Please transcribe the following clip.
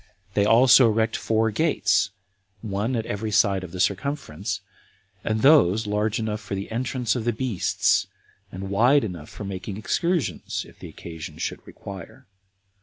They also erect four gates, one at every side of the circumference, and those large enough for the entrance of the beasts, and wide enough for making excursions, if occasion should require.